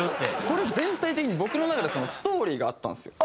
これ全体的に僕の中でストーリーがあったんですよ。